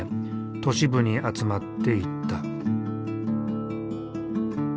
都市部に集まっていった。